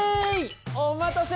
お待たせ！